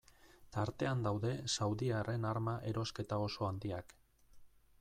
Tartean daude saudiarren arma erosketa oso handiak.